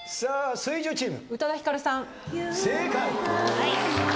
水１０チーム。